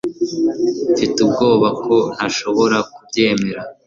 mfite ubwoba ko ntashobora kubyemera